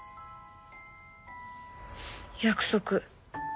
約束。